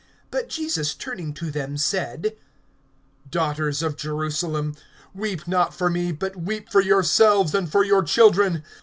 (28)But Jesus turning to them said: Daughters of Jerusalem, weep not for me, but weep for yourselves, and for your children.